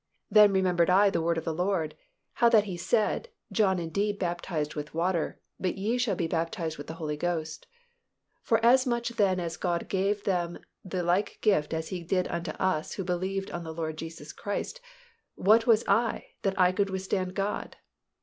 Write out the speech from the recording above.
Then remembered I the word of the Lord, how that He said, John indeed baptized with water; but ye shall be baptized with the Holy Ghost. Forasmuch then as God gave them the like gift as He did unto us who believed on the Lord Jesus Christ; what was I, that I could withstand God?"